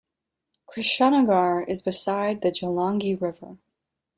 Krishnanagar is beside the Jalangi River.